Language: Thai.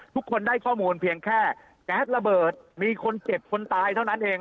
ทุกคนได้ข้อมูลเพียงแค่แก๊สระเบิดมีคนเจ็บคนตายเท่านั้นเอง